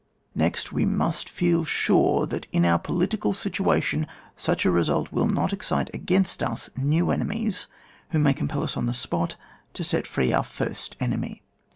Next, we must feel sure that in our political situation, such a result will not excite against us new enemies, who may compel us on the spot to set free our first enemy.